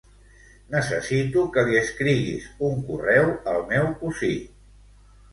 Necessito que li escriguis un correu al meu cosí.